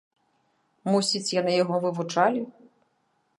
Мусіць, яны яго вывучалі?